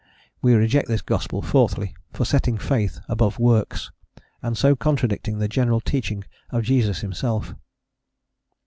We reject this gospel, fourthly, for setting faith above works, and so contradicting the general teaching of Jesus himself.